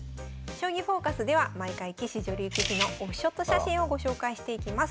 「将棋フォーカス」では毎回棋士女流棋士のオフショット写真をご紹介していきます。